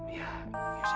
ya ya sih